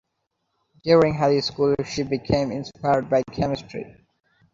During high school she became inspired by chemistry.